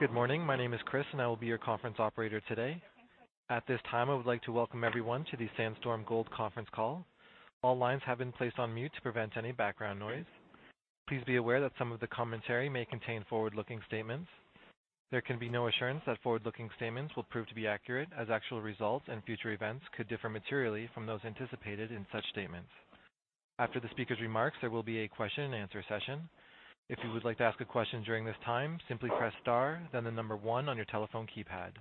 Good morning. My name is Chris, and I will be your conference operator today. At this time, I would like to welcome everyone to the Sandstorm Gold conference call. All lines have been placed on mute to prevent any background noise. Please be aware that some of the commentary may contain forward-looking statements. There can be no assurance that forward-looking statements will prove to be accurate, as actual results and future events could differ materially from those anticipated in such statements. After the speaker's remarks, there will be a question and answer session. If you would like to ask a question during this time, simply press star, then number 1 on your telephone keypad.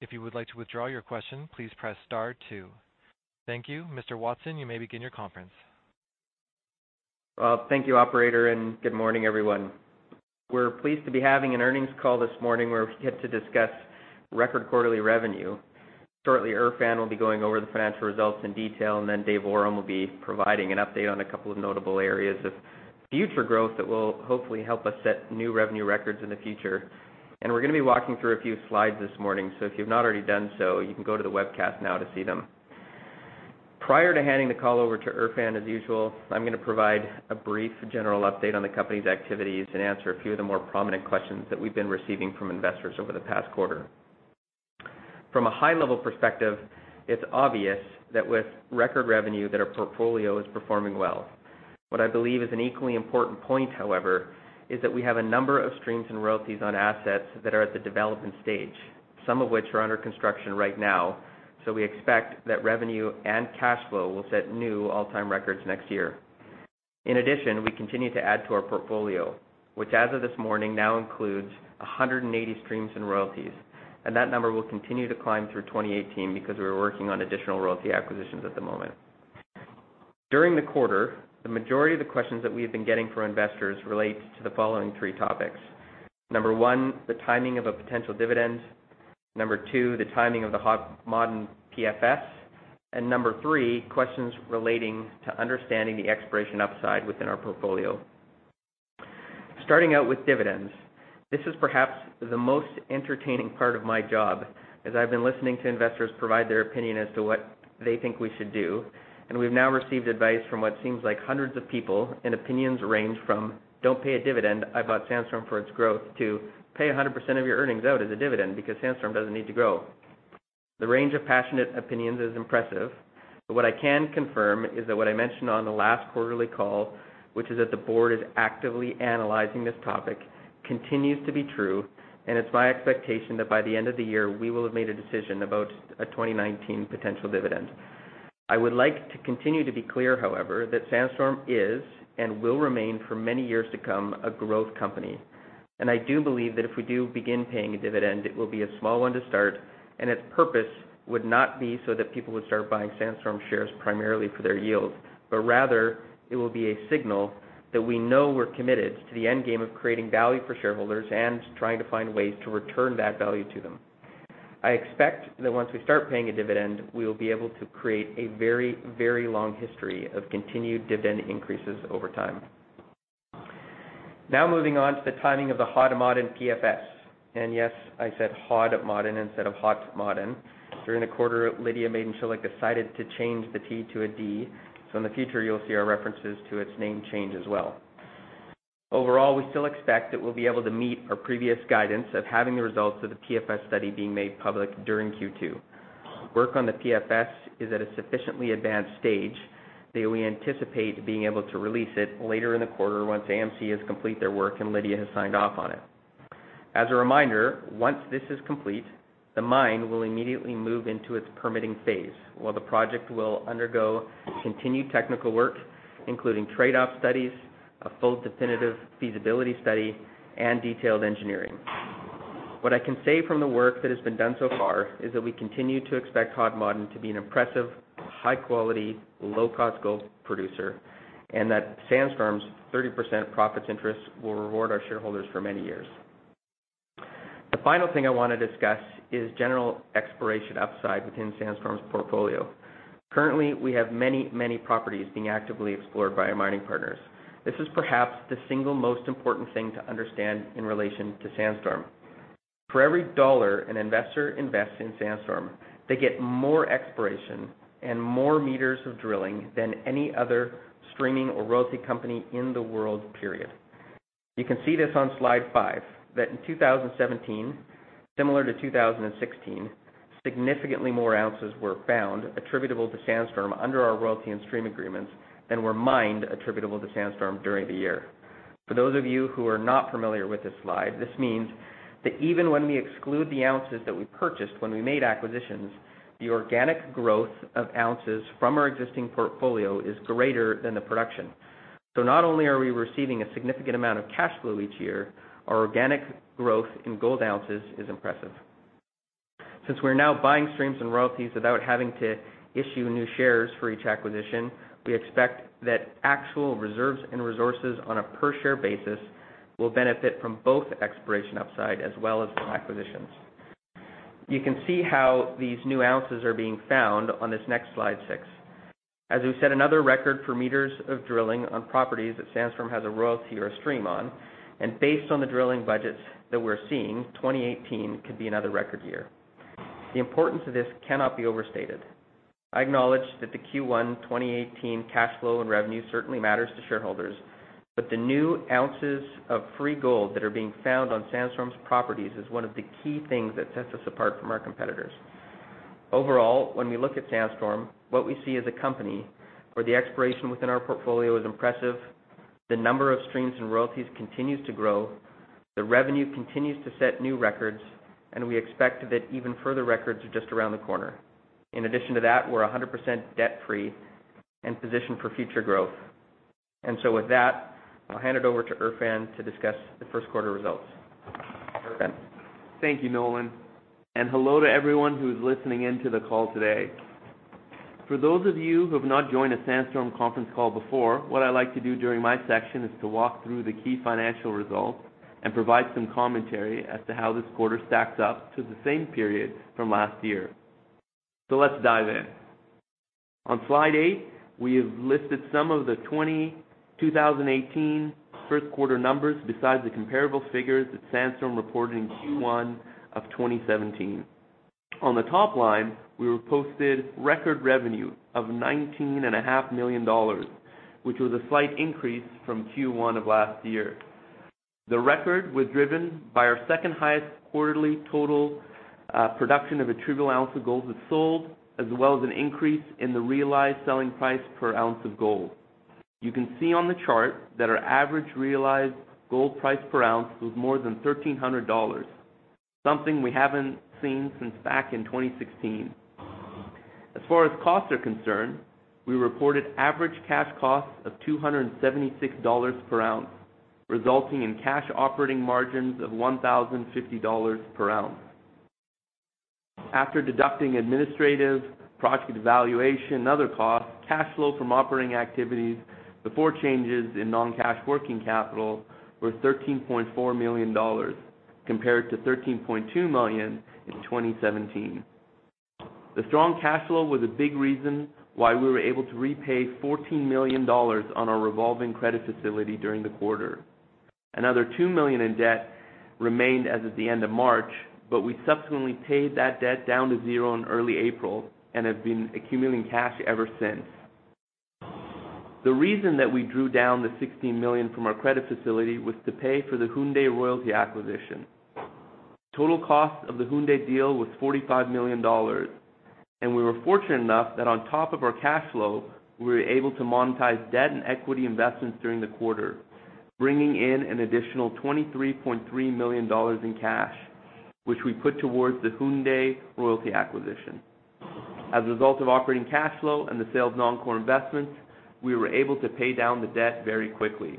If you would like to withdraw your question, please press star 2. Thank you. Mr. Watson, you may begin your conference. Thank you, operator. Good morning, everyone. We're pleased to be having an earnings call this morning where we get to discuss record quarterly revenue. Shortly, Erfan will be going over the financial results in detail, then David Awram will be providing an update on a couple of notable areas of future growth that will hopefully help us set new revenue records in the future. We're going to be walking through a few slides this morning, so if you've not already done so, you can go to the webcast now to see them. Prior to handing the call over to Erfan, as usual, I'm going to provide a brief general update on the company's activities and answer a few of the more prominent questions that we've been receiving from investors over the past quarter. From a high-level perspective, it's obvious that with record revenue that our portfolio is performing well. What I believe is an equally important point, however, is that we have a number of streams and royalties on assets that are at the development stage, some of which are under construction right now, so we expect that revenue and cash flow will set new all-time records next year. In addition, we continue to add to our portfolio, which as of this morning, now includes 180 streams and royalties, and that number will continue to climb through 2018 because we're working on additional royalty acquisitions at the moment. During the quarter, the majority of the questions that we have been getting from investors relate to the following 3 topics. Number 1, the timing of a potential dividend. Number 2, the timing of the Hod Maden PFS. Number 3, questions relating to understanding the exploration upside within our portfolio. Starting out with dividends. This is perhaps the most entertaining part of my job, as I've been listening to investors provide their opinion as to what they think we should do. We've now received advice from what seems like hundreds of people, and opinions range from, "Don't pay a dividend, I bought Sandstorm for its growth," to, "Pay 100% of your earnings out as a dividend because Sandstorm doesn't need to grow." The range of passionate opinions is impressive. What I can confirm is that what I mentioned on the last quarterly call, which is that the board is actively analyzing this topic, continues to be true, and it's my expectation that by the end of the year, we will have made a decision about a 2019 potential dividend. I would like to continue to be clear, however, that Sandstorm is and will remain for many years to come, a growth company. I do believe that if we do begin paying a dividend, it will be a small one to start, and its purpose would not be so that people would start buying Sandstorm shares primarily for their yield, but rather, it will be a signal that we know we're committed to the end game of creating value for shareholders and trying to find ways to return that value to them. I expect that once we start paying a dividend, we will be able to create a very long history of continued dividend increases over time. Now, moving on to the timing of the Hod Maden PFS. Yes, I said Hod Maden instead of Hot Maden. During the quarter, Lidya Madencilik decided to change the "T" to a "D", so in the future, you'll see our references to its name change as well. Overall, we still expect that we'll be able to meet our previous guidance of having the results of the PFS study being made public during Q2. Work on the PFS is at a sufficiently advanced stage that we anticipate being able to release it later in the quarter once AMC has completed their work and Lidya has signed off on it. As a reminder, once this is complete, the mine will immediately move into its permitting phase while the project will undergo continued technical work, including trade-off studies, a full definitive feasibility study, and detailed engineering. What I can say from the work that has been done so far is that we continue to expect Hod Maden to be an impressive, high quality, low-cost gold producer, and that Sandstorm's 30% profits interest will reward our shareholders for many years. The final thing I want to discuss is general exploration upside within Sandstorm's portfolio. Currently, we have many properties being actively explored by our mining partners. This is perhaps the single most important thing to understand in relation to Sandstorm. For every dollar an investor invests in Sandstorm, they get more exploration and more meters of drilling than any other streaming or royalty company in the world, period. You can see this on slide five, that in 2017, similar to 2016, significantly more ounces were found attributable to Sandstorm under our royalty and stream agreements than were mined attributable to Sandstorm during the year. For those of you who are not familiar with this slide, this means that even when we exclude the ounces that we purchased when we made acquisitions, the organic growth of ounces from our existing portfolio is greater than the production. Not only are we receiving a significant amount of cash flow each year, our organic growth in gold ounces is impressive. Since we're now buying streams and royalties without having to issue new shares for each acquisition, we expect that actual reserves and resources on a per share basis will benefit from both exploration upside as well as from acquisitions. You can see how these new ounces are being found on this next slide six. As we set another record for meters of drilling on properties that Sandstorm has a royalty or a stream on, and based on the drilling budgets that we're seeing, 2018 could be another record year. The importance of this cannot be overstated. I acknowledge that the Q1 2018 cash flow and revenue certainly matters to shareholders, but the new ounces of free gold that are being found on Sandstorm's properties is one of the key things that sets us apart from our competitors. Overall, when we look at Sandstorm, what we see is a company where the exploration within our portfolio is impressive, the number of streams and royalties continues to grow, the revenue continues to set new records, and we expect that even further records are just around the corner. In addition to that, we're 100% debt-free and positioned for future growth. With that, I'll hand it over to Erfan to discuss the first quarter results. Erfan. Thank you, Nolan, and hello to everyone who's listening in to the call today. For those of you who have not joined a Sandstorm conference call before, what I like to do during my section is to walk through the key financial results and provide some commentary as to how this quarter stacks up to the same period from last year. Let's dive in. On slide eight, we have listed some of the 2018 first quarter numbers besides the comparable figures that Sandstorm reported in Q1 of 2017. On the top line, we posted record revenue of $19.5 million, which was a slight increase from Q1 of last year. The record was driven by our second highest quarterly total production of attributable ounce of gold that's sold, as well as an increase in the realized selling price per ounce of gold. You can see on the chart that our average realized gold price per ounce was more than $1,300, something we haven't seen since back in 2016. As far as costs are concerned, we reported average cash costs of $276 per ounce, resulting in cash operating margins of $1,050 per ounce. After deducting administrative, project valuation, and other costs, cash flow from operating activities before changes in non-cash working capital were $13.4 million, compared to $13.2 million in 2017. The strong cash flow was a big reason why we were able to repay $14 million on our revolving credit facility during the quarter. Another two million in debt remained as of the end of March, but we subsequently paid that debt down to zero in early April and have been accumulating cash ever since. The reason that we drew down the $16 million from our credit facility was to pay for the Houndé royalty acquisition. Total cost of the Houndé deal was $45 million. We were fortunate enough that on top of our cash flow, we were able to monetize debt and equity investments during the quarter, bringing in an additional $23.3 million in cash, which we put towards the Houndé royalty acquisition. As a result of operating cash flow and the sale of non-core investments, we were able to pay down the debt very quickly.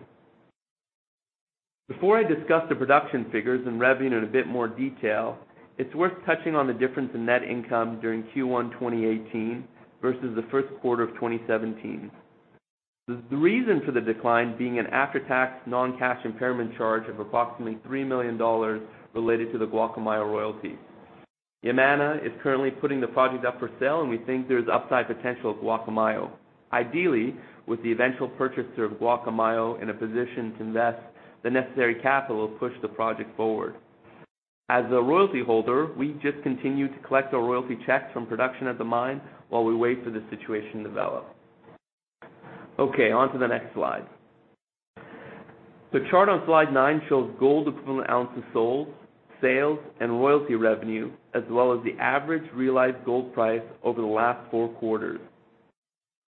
Before I discuss the production figures and revenue in a bit more detail, it's worth touching on the difference in net income during Q1 2018 versus the first quarter of 2017. The reason for the decline being an after-tax non-cash impairment charge of approximately $3 million related to the Guacamayo royalty. Yamana is currently putting the project up for sale, and we think there's upside potential at Guacamayo. Ideally, with the eventual purchaser of Guacamayo in a position to invest the necessary capital to push the project forward. As a royalty holder, we just continue to collect our royalty checks from production at the mine while we wait for the situation to develop. Okay, on to the next slide. The chart on slide nine shows gold equivalent ounces sold, sales, and royalty revenue, as well as the average realized gold price over the last four quarters.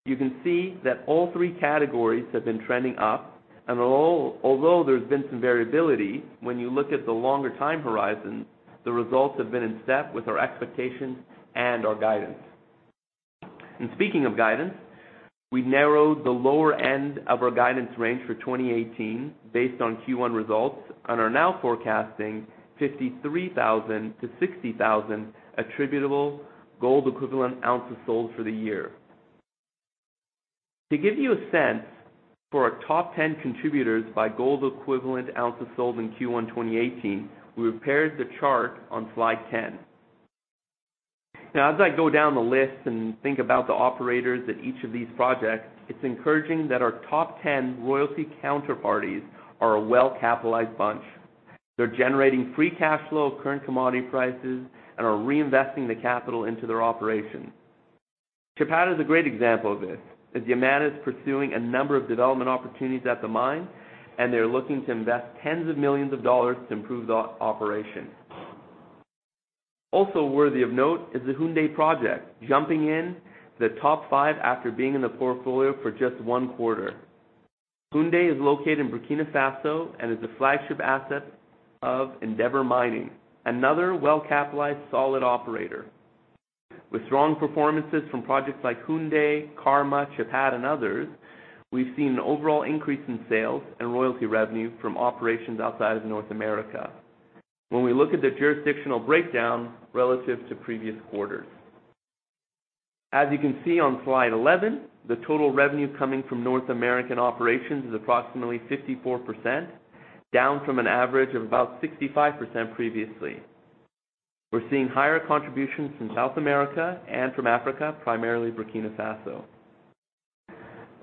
You can see that all three categories have been trending up, and although there's been some variability, when you look at the longer time horizon, the results have been in step with our expectations and our guidance. Speaking of guidance, we narrowed the lower end of our guidance range for 2018 based on Q1 results and are now forecasting 53,000 to 60,000 attributable gold equivalent ounces sold for the year. To give you a sense for our top 10 contributors by gold equivalent ounces sold in Q1 2018, we have paired the chart on slide 10. Now, as I go down the list and think about the operators at each of these projects, it's encouraging that our top 10 royalty counterparties are a well-capitalized bunch. They're generating free cash flow at current commodity prices and are reinvesting the capital into their operations. Chapada is a great example of this, as Yamana is pursuing a number of development opportunities at the mine, and they're looking to invest tens of millions of dollars to improve the operation. Also worthy of note is the Houndé project, jumping in the top five after being in the portfolio for just one quarter. Houndé is located in Burkina Faso and is a flagship asset of Endeavour Mining, another well-capitalized, solid operator. With strong performances from projects like Houndé, Karma, Chapada, and others, we've seen an overall increase in sales and royalty revenue from operations outside of North America when we look at the jurisdictional breakdown relative to previous quarters. As you can see on slide 11, the total revenue coming from North American operations is approximately 54%, down from an average of about 65% previously. We're seeing higher contributions from South America and from Africa, primarily Burkina Faso.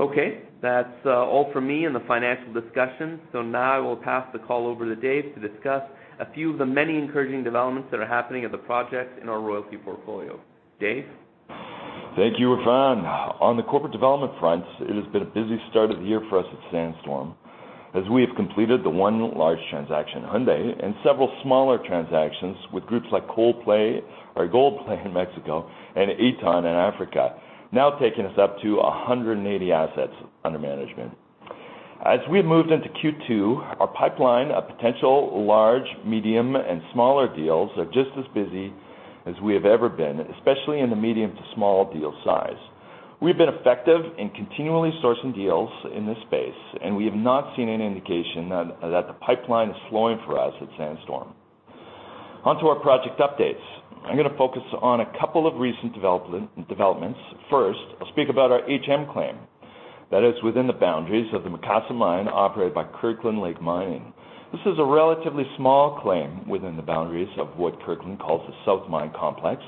Okay. That's all for me in the financial discussion. Now I will pass the call over to Dave to discuss a few of the many encouraging developments that are happening at the projects in our royalty portfolio. Dave? Thank you, Erfan. On the corporate development front, it has been a busy start of the year for us at Sandstorm, as we have completed the one large transaction, Houndé, and several smaller transactions with groups like Goldplay in Mexico and Aton in Africa, now taking us up to 180 assets under management. As we have moved into Q2, our pipeline of potential large, medium, and smaller deals are just as busy as we have ever been, especially in the medium to small deal size. We've been effective in continually sourcing deals in this space, and we have not seen any indication that the pipeline is slowing for us at Sandstorm. On to our project updates. I'm going to focus on a couple of recent developments. First, I'll speak about our HM claim, that is within the boundaries of the Macassa mine operated by Kirkland Lake Gold. This is a relatively small claim within the boundaries of what Kirkland calls the South Mine Complex,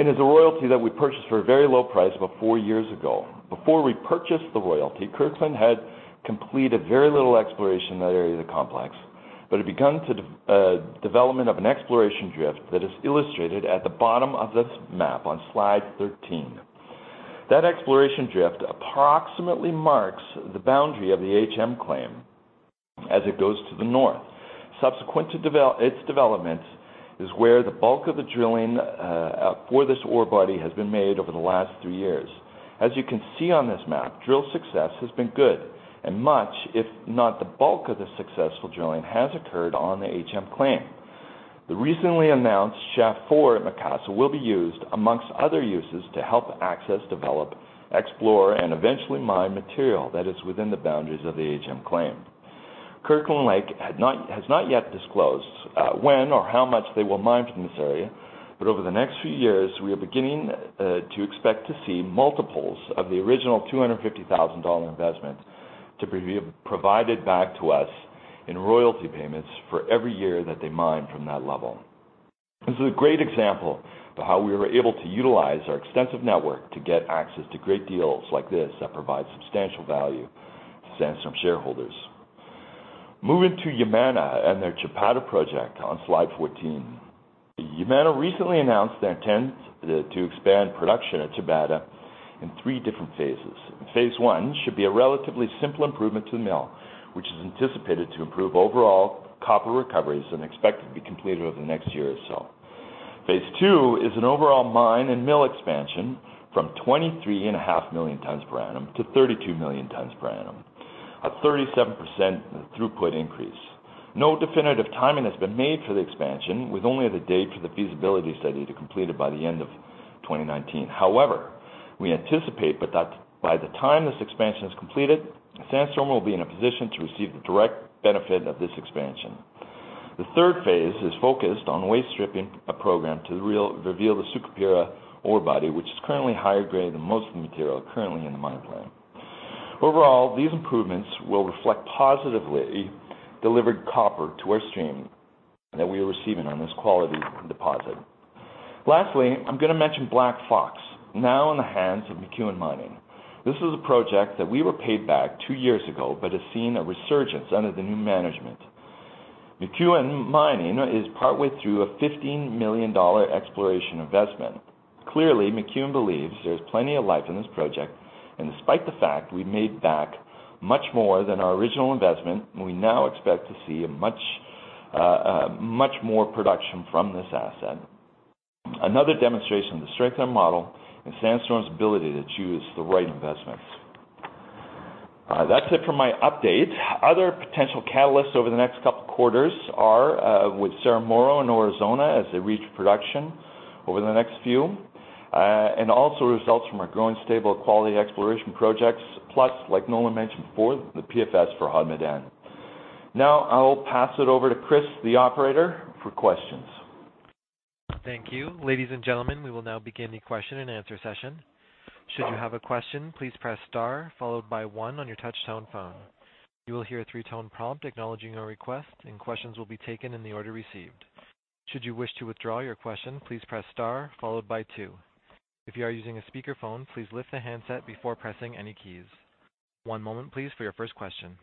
and is a royalty that we purchased for a very low price about four years ago. Before we purchased the royalty, Kirkland had completed very little exploration in that area of the complex, but had begun development of an exploration drift that is illustrated at the bottom of this map on slide 13. That exploration drift approximately marks the boundary of the HM claim as it goes to the north. Subsequent to its development is where the bulk of the drilling for this ore body has been made over the last three years. As you can see on this map, drill success has been good and much, if not the bulk of the successful drilling, has occurred on the HM claim. The recently announced Shaft 4 at Macassa will be used, amongst other uses, to help access, develop, explore, and eventually mine material that is within the boundaries of the HM claim. Kirkland Lake has not yet disclosed when or how much they will mine from this area, but over the next few years, we are beginning to expect to see multiples of the original $250,000 investment to be provided back to us in royalty payments for every year that they mine from that level. This is a great example of how we were able to utilize our extensive network to get access to great deals like this, that provide substantial value to Sandstorm shareholders. Moving to Yamana and their Chapada project on slide 14. Yamana recently announced their intent to expand production at Chapada in three different phases. Phase 1 should be a relatively simple improvement to the mill, which is anticipated to improve overall copper recoveries and expected to be completed over the next year or so. Phase 2 is an overall mine and mill expansion from 23.5 million tons per annum to 32 million tons per annum. A 37% throughput increase. No definitive timing has been made for the expansion, with only the date for the feasibility study to be completed by the end of 2019. However, we anticipate that by the time this expansion is completed, Sandstorm will be in a position to receive the direct benefit of this expansion. The third phase is focused on waste stripping, a program to reveal the Sucupira ore body, which is currently higher grade than most of the material currently in the mine plan. Overall, these improvements will reflect positively delivered copper to our stream that we are receiving on this quality deposit. Lastly, I am going to mention Black Fox, now in the hands of McEwen Mining. This is a project that we were paid back two years ago but has seen a resurgence under the new management. McEwen Mining is partway through a $15 million exploration investment. Clearly, McEwen believes there is plenty of life in this project, and despite the fact we made back much more than our original investment, we now expect to see much more production from this asset. Another demonstration of the strength of our model and Sandstorm's ability to choose the right investments. That is it for my update. Other potential catalysts over the next couple quarters are with Cerro Moro and Aurizona as they reach production over the next few, and also results from our growing stable of quality exploration projects. Plus, like Nolan mentioned before, the PFS for Hod Maden. Now I will pass it over to Chris, the operator, for questions. Thank you. Ladies and gentlemen, we will now begin the question and answer session. Should you have a question, please press star followed by one on your touch-tone phone. You will hear a three-tone prompt acknowledging your request, and questions will be taken in the order received. Should you wish to withdraw your question, please press star followed by two. If you are using a speakerphone, please lift the handset before pressing any keys. One moment, please, for your first question.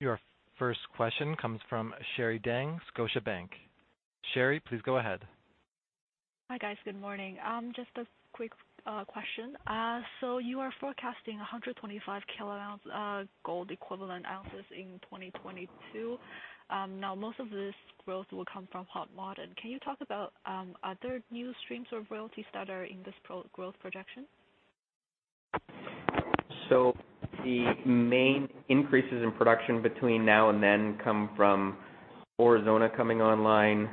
Your first question comes from Sherry Deng, Scotiabank. Sherry, please go ahead. Hi, guys. Good morning. Just a quick question. You are forecasting 125 kilo gold equivalent ounces in 2022. Most of this growth will come from Hod Maden. Can you talk about other new streams or royalties that are in this growth projection? The main increases in production between now and then come from Aurizona coming online,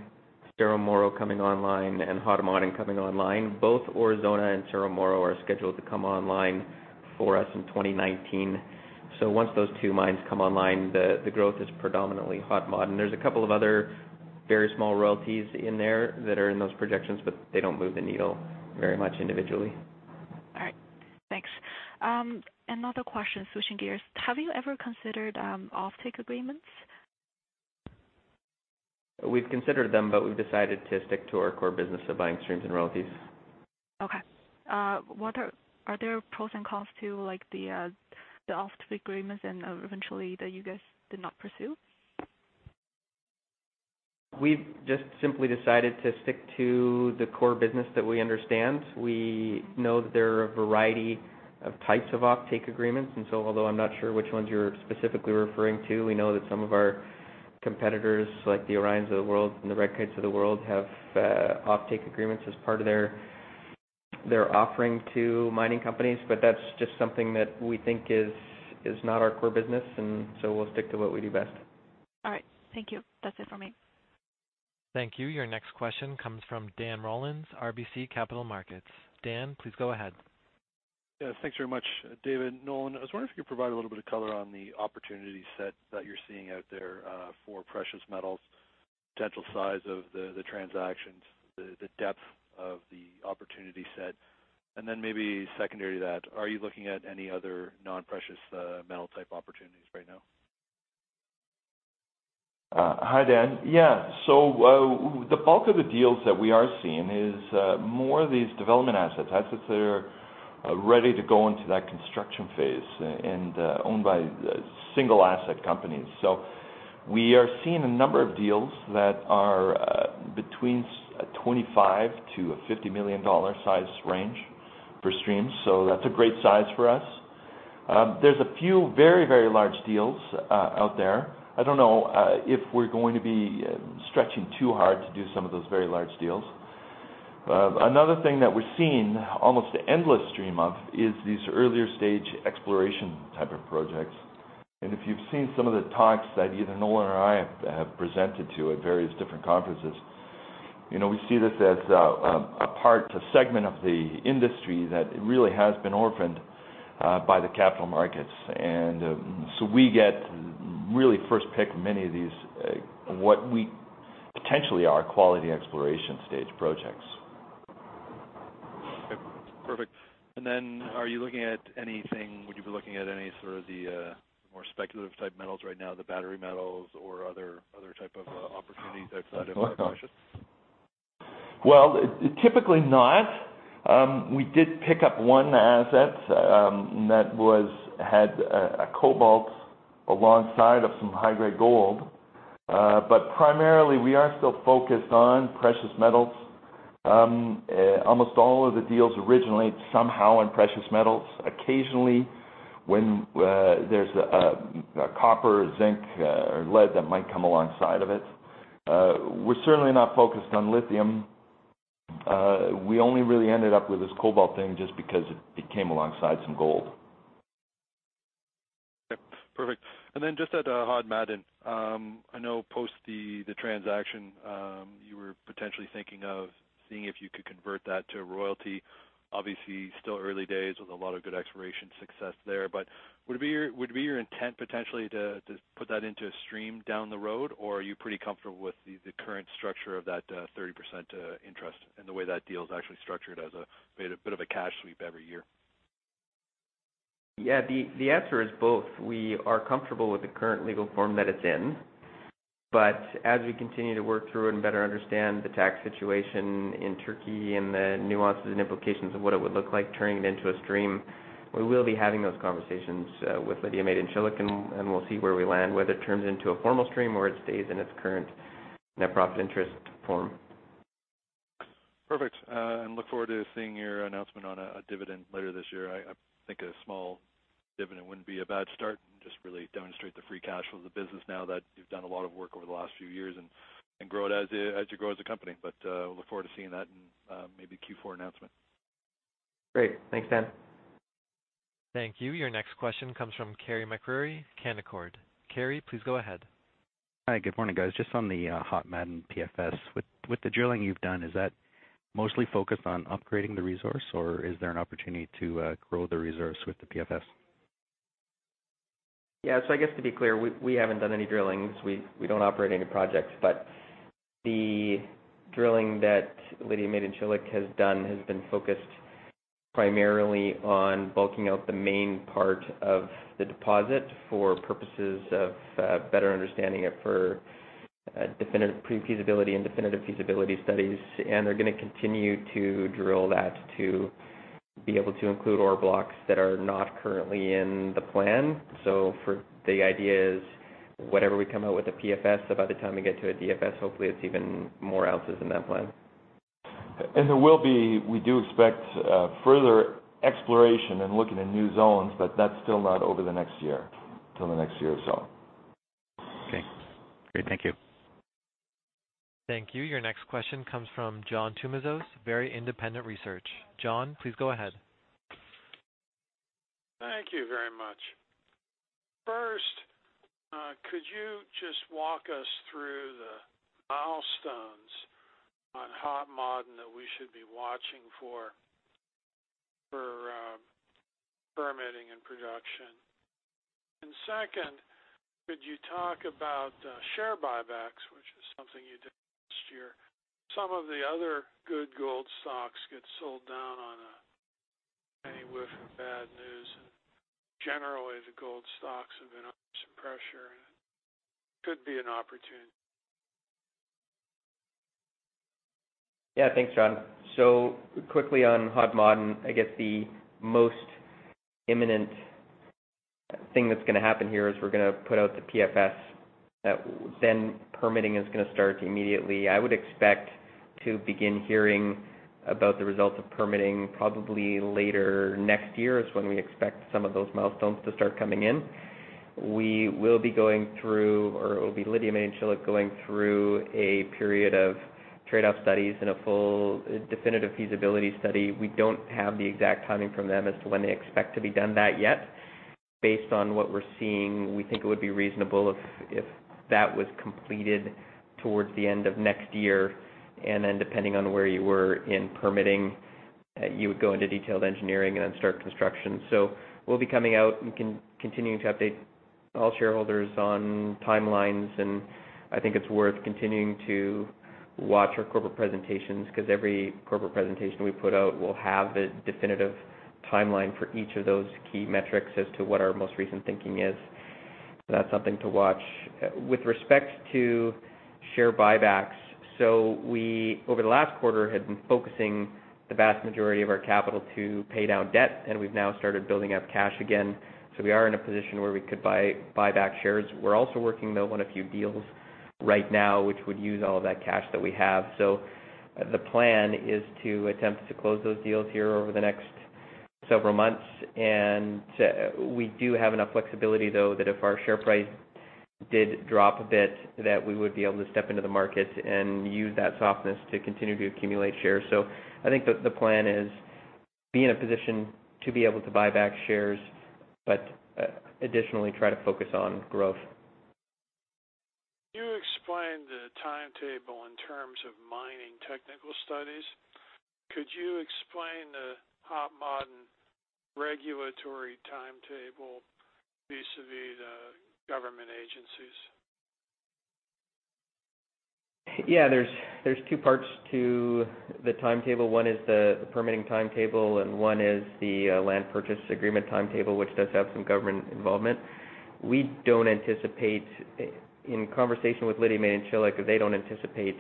Cerro Moro coming online, and Hod Maden coming online. Both Aurizona and Cerro Moro are scheduled to come online for us in 2019. Once those two mines come online, the growth is predominantly Hod Maden. There's a couple of other Very small royalties in there that are in those projections, but they don't move the needle very much individually. All right. Thanks. Another question, switching gears, have you ever considered offtake agreements? We've considered them, we've decided to stick to our core business of buying streams and royalties. Okay. Are there pros and cons to the offtake agreements and eventually that you guys did not pursue? We've just simply decided to stick to the core business that we understand. We know that there are a variety of types of offtake agreements, although I'm not sure which ones you're specifically referring to, we know that some of our competitors, like the Orions of the world and the Red Kites of the world, have offtake agreements as part of their offering to mining companies. That's just something that we think is not our core business, we'll stick to what we do best. All right. Thank you. That's it for me. Thank you. Your next question comes from Dan Rollins, RBC Capital Markets. Dan, please go ahead. Thanks very much, David and Nolan. I was wondering if you could provide a little bit of color on the opportunity set that you're seeing out there for precious metals, potential size of the transactions, the depth of the opportunity set, maybe secondary to that, are you looking at any other non-precious metal type opportunities right now? Hi, Dan. The bulk of the deals that we are seeing is more of these development assets that are ready to go into that construction phase and owned by single-asset companies. We are seeing a number of deals that are between $25 million-$50 million size range for streams. That's a great size for us. There's a few very, very large deals out there. I don't know if we're going to be stretching too hard to do some of those very large deals. Another thing that we're seeing almost an endless stream of is these earlier stage exploration type of projects. If you've seen some of the talks that either Nolan or I have presented to at various different conferences, we see this as a part, a segment of the industry that really has been orphaned by the capital markets. We get really first pick of many of these, what we potentially are quality exploration stage projects. Okay, perfect. Are you looking at anything, would you be looking at any sort of the more speculative type metals right now, the battery metals or other type of opportunities outside of precious? Well, typically not. We did pick up one asset that had a cobalt alongside of some high-grade gold. Primarily, we are still focused on precious metals. Almost all of the deals originally somehow in precious metals. Occasionally, when there's a copper, zinc, or lead that might come alongside of it. We're certainly not focused on lithium. We only really ended up with this cobalt thing just because it came alongside some gold. Okay, perfect. Just at Hod Maden, I know post the transaction, you were potentially thinking of seeing if you could convert that to a royalty. Obviously, still early days with a lot of good exploration success there, but would it be your intent potentially to put that into a stream down the road, or are you pretty comfortable with the current structure of that 30% interest and the way that deal is actually structured as a bit of a cash sweep every year? Yeah, the answer is both. We are comfortable with the current legal form that it's in, as we continue to work through it and better understand the tax situation in Turkey and the nuances and implications of what it would look like turning it into a stream, we will be having those conversations with Lidya Madencilik, and we'll see where we land, whether it turns into a formal stream or it stays in its current net profit interest form. Perfect. Look forward to seeing your announcement on a dividend later this year. I think a small dividend wouldn't be a bad start, and just really demonstrate the free cash flow of the business now that you've done a lot of work over the last few years and grow it as you grow as a company. Look forward to seeing that in maybe Q4 announcement. Great. Thanks, Dan. Thank you. Your next question comes from Kerry McCrary, Canaccord. Kerry, please go ahead. Hi, good morning, guys. Just on the Hod Maden PFS. With the drilling you've done, is that mostly focused on upgrading the resource, or is there an opportunity to grow the resource with the PFS? I guess to be clear, we haven't done any drilling. We don't operate any projects. The drilling that Lidya Madencilik has done has been focused primarily on bulking out the main part of the deposit for purposes of better understanding it for pre-feasibility and definitive feasibility studies. They're going to continue to drill that to be able to include ore blocks that are not currently in the plan. The idea is whenever we come out with a PFS, by the time we get to a DFS, hopefully it's even more ounces in that plan. There will be. We do expect further exploration and looking in new zones, that's still not over the next year, till the next year or so. Okay, great. Thank you. Thank you. Your next question comes from John Tumazos, Very Independent Research. John, please go ahead. Thank you very much. First, could you just walk us through the milestones on Hod Maden that we should be watching for permitting and production. Second, could you talk about share buybacks, which is something you did last year? Some of the other good gold stocks get sold down on any whiff of bad news. Generally, the gold stocks have been under some pressure and it could be an opportunity. Thanks, John. Quickly on Hod Maden, I guess the most imminent thing that's going to happen here is we're going to put out the PFS. Permitting is going to start immediately. I would expect to begin hearing about the results of permitting probably later next year, is when we expect some of those milestones to start coming in. We will be going through, or it will be Lidya Madencilik going through a period of trade-off studies and a full definitive feasibility study. We don't have the exact timing from them as to when they expect to be done that yet. Based on what we're seeing, we think it would be reasonable if that was completed towards the end of next year. Depending on where you were in permitting, you would go into detailed engineering and then start construction. We'll be coming out and continuing to update all shareholders on timelines. I think it's worth continuing to watch our corporate presentations, because every corporate presentation we put out will have a definitive timeline for each of those key metrics as to what our most recent thinking is. That's something to watch. With respect to share buybacks, we, over the last quarter, had been focusing the vast majority of our capital to pay down debt. We've now started building up cash again. We are in a position where we could buy back shares. We're also working, though, on a few deals right now, which would use all of that cash that we have. The plan is to attempt to close those deals here over the next several months. We do have enough flexibility, though, that if our share price did drop a bit, that we would be able to step into the market and use that softness to continue to accumulate shares. I think the plan is be in a position to be able to buy back shares, additionally try to focus on growth. You explained the timetable in terms of mining technical studies. Could you explain the Hod Maden regulatory timetable vis-à-vis the government agencies? Yeah. There's two parts to the timetable. One is the permitting timetable, and one is the land purchase agreement timetable, which does have some government involvement. We don't anticipate, in conversation with Lidya Madencilik, they don't anticipate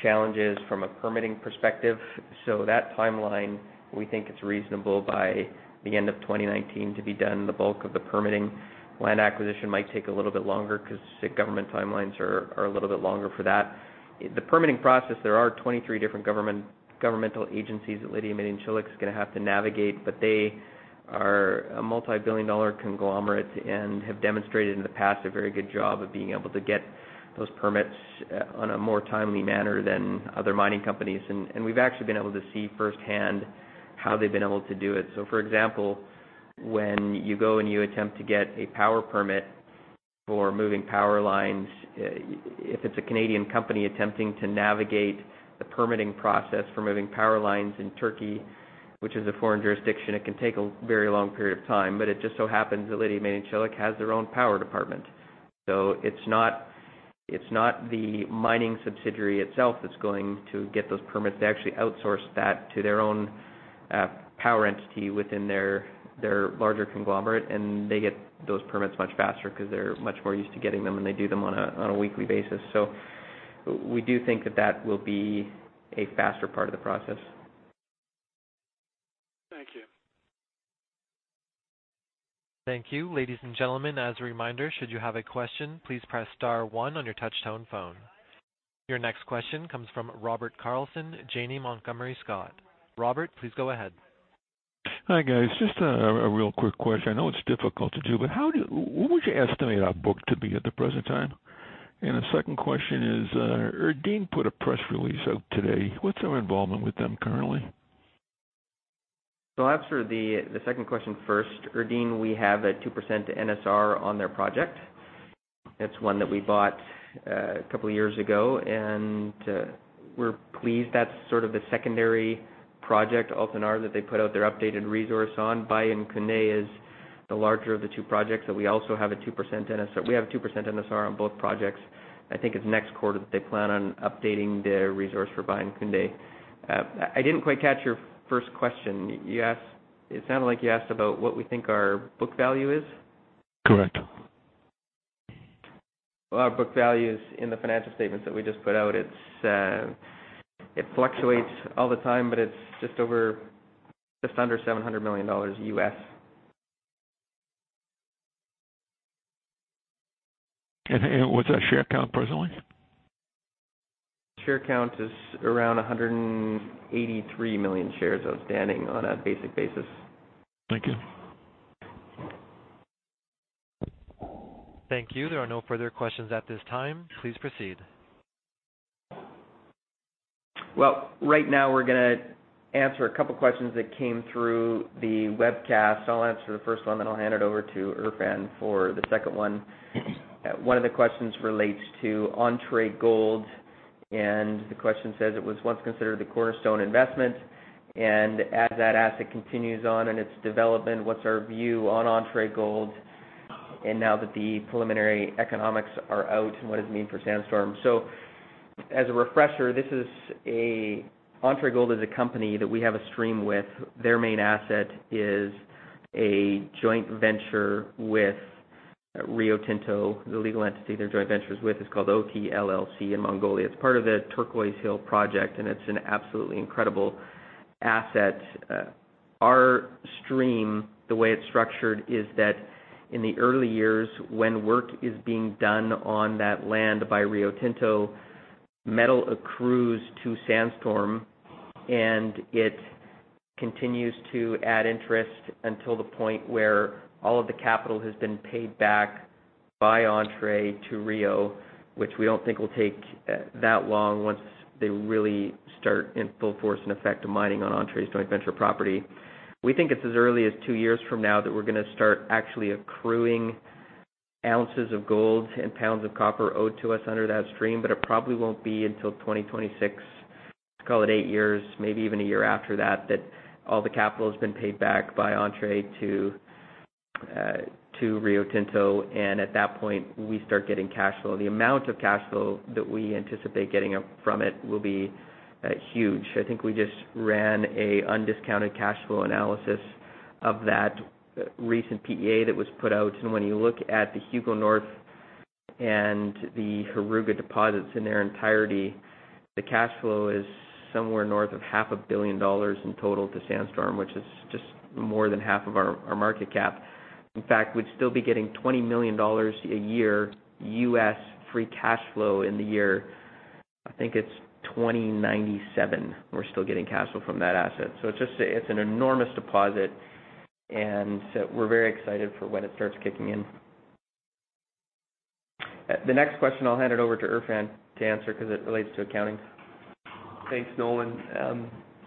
challenges from a permitting perspective. That timeline, we think it's reasonable by the end of 2019 to be done. The bulk of the permitting land acquisition might take a little bit longer because state government timelines are a little bit longer for that. The permitting process, there are 23 different governmental agencies that Lidya Madencilik's going to have to navigate, but they are a multi-billion-dollar conglomerate and have demonstrated in the past a very good job of being able to get those permits on a more timely manner than other mining companies. We've actually been able to see firsthand how they've been able to do it. For example, when you go and you attempt to get a power permit for moving power lines, if it's a Canadian company attempting to navigate the permitting process for moving power lines in Turkey, which is a foreign jurisdiction, it can take a very long period of time. It just so happens that Lidya Madencilik has their own power department. It's not the mining subsidiary itself that's going to get those permits. They actually outsource that to their own power entity within their larger conglomerate, and they get those permits much faster because they're much more used to getting them, and they do them on a weekly basis. We do think that that will be a faster part of the process. Thank you. Thank you. Ladies and gentlemen, as a reminder, should you have a question, please press star one on your touchtone phone. Your next question comes from Robert Carlson, Janney Montgomery Scott. Robert, please go ahead. Hi, guys. Just a real quick question. I know it's difficult to do, but what would you estimate our book to be at the present time? The second question is, Erdene put a press release out today. What's our involvement with them currently? I'll answer the second question first. Erdene, we have a 2% NSR on their project. It's one that we bought a couple of years ago, and we're pleased. That's sort of the secondary project, Altan Nar, that they put out their updated resource on. Bayan Khundii is the larger of the two projects that we also have a 2% NSR. We have a 2% NSR on both projects. I think it's next quarter that they plan on updating their resource for Bayan Khundii. I didn't quite catch your first question. It sounded like you asked about what we think our book value is? Correct. Our book value is in the financial statements that we just put out. It fluctuates all the time, but it's just under $700 million. What's our share count presently? Share count is around 183 million shares outstanding on a basic basis. Thank you. Thank you. There are no further questions at this time. Please proceed. Well, right now we're going to answer a couple questions that came through the webcast. I'll answer the first one, then I'll hand it over to Erfan for the second one. One of the questions relates to Entrée Gold. The question says, "It was once considered the cornerstone investment, and as that asset continues on in its development, what's our view on Entrée Gold? Now that the preliminary economics are out, what does it mean for Sandstorm?" As a refresher, Entrée Gold is a company that we have a stream with. Their main asset is a joint venture with Rio Tinto. The legal entity they're joint ventures with is called Oyu Tolgoi LLC in Mongolia. It's part of the Turquoise Hill Project, and it's an absolutely incredible asset. Our stream, the way it's structured is that in the early years, when work is being done on that land by Rio Tinto, metal accrues to Sandstorm, and it continues to add interest until the point where all of the capital has been paid back by Entrée to Rio, which we don't think will take that long once they really start in full force and effect of mining on Entrée's joint venture property. We think it's as early as two years from now that we're going to start actually accruing ounces of gold and pounds of copper owed to us under that stream, but it probably won't be until 2026, let's call it eight years, maybe even one year after that all the capital has been paid back by Entrée to Rio Tinto, and at that point, we start getting cash flow. The amount of cash flow that we anticipate getting from it will be huge. I think we just ran an undiscounted cash flow analysis of that recent PEA that was put out. When you look at the Hugo North and the Heruga deposits in their entirety, the cash flow is somewhere north of half a billion dollars in total to Sandstorm, which is just more than half of our market cap. In fact, we'd still be getting $20 million a year, U.S. free cash flow in the year, I think it's 2097, we're still getting cash flow from that asset. It's an enormous deposit, and we're very excited for when it starts kicking in. The next question, I'll hand it over to Erfan to answer because it relates to accounting. Thanks, Nolan.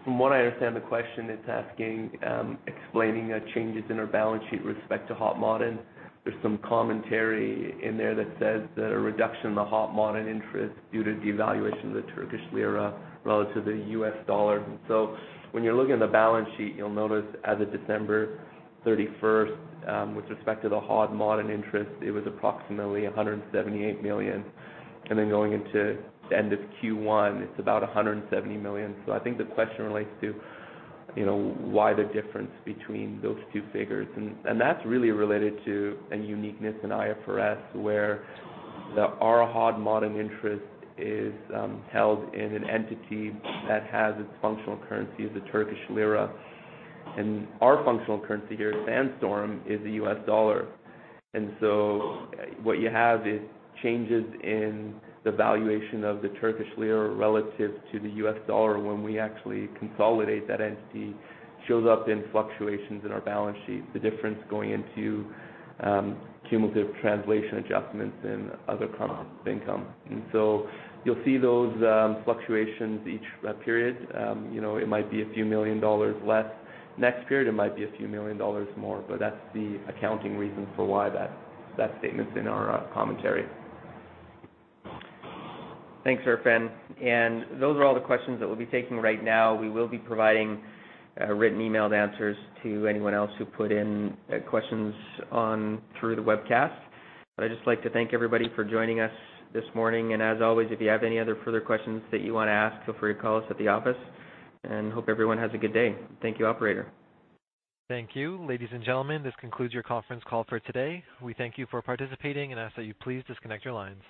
From what I understand, the question is asking, explaining changes in our balance sheet with respect to Hod Maden. There's some commentary in there that says that a reduction in the Hod Maden interest due to devaluation of the Turkish lira relative to the U.S. dollar. When you're looking at the balance sheet, you'll notice as of December 31st, with respect to the Hod Maden interest, it was approximately $178 million. Going into the end of Q1, it's about $170 million. I think the question relates to why the difference between those two figures. That's really related to a uniqueness in IFRS, where our Hod Maden interest is held in an entity that has its functional currency as the Turkish lira. Our functional currency here at Sandstorm is the U.S. dollar. What you have is changes in the valuation of the Turkish lira relative to the US dollar. When we actually consolidate that entity, it shows up in fluctuations in our balance sheet, the difference going into cumulative translation adjustments and other income. You'll see those fluctuations each period. It might be a few million dollars less. Next period, it might be a few million dollars more. That's the accounting reason for why that statement's in our commentary. Thanks, Erfan. Those are all the questions that we'll be taking right now. We will be providing written emailed answers to anyone else who put in questions through the webcast. I'd just like to thank everybody for joining us this morning. As always, if you have any other further questions that you want to ask, feel free to call us at the office, and hope everyone has a good day. Thank you, operator. Thank you. Ladies and gentlemen, this concludes your conference call for today. We thank you for participating and ask that you please disconnect your lines.